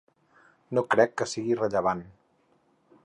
No crec que sigui rellevant.